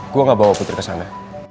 gue gak bawa putri kesana